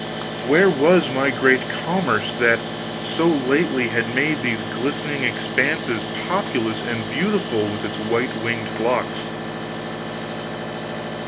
Where was my great commerce that so lately had made these glistening expanses populous and beautiful with its white winged flocks?